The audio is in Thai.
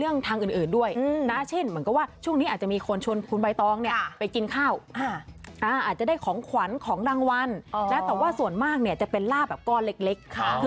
และอันดับที่โชคดีมีเกร็นได้ลาบอันดับ๒ได้แก่ราศีกุม